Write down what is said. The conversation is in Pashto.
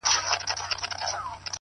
چي څه مستې جوړه سي لږه شانې سور جوړ سي,